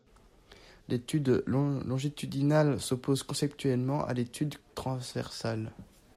L'étude longitudinale s'oppose conceptuellement à l'étude transversale.